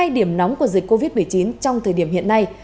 hai điểm nóng của dịch covid một mươi chín trong thời điểm hiện nay